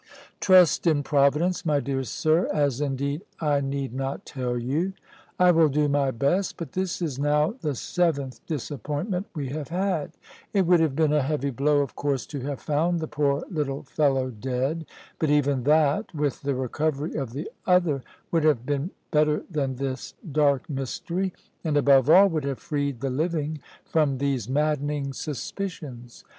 Trust in Providence, my dear sir; as indeed I need not tell you." "I will do my best; but this is now the seventh disappointment we have had. It would have been a heavy blow, of course, to have found the poor little fellow dead. But even that, with the recovery of the other, would have been better than this dark mystery, and, above all, would have freed the living from these maddening suspicions.